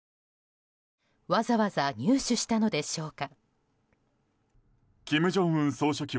わざわざ入手したのでしょうか。